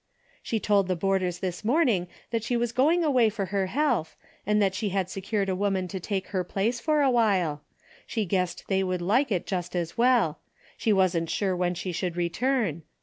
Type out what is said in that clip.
She told the boarders this morning that she was going away for her health, and that she had secured a woman to take her place for a while. She guessed they would like it just as well. She wasn't sure when she should re turn.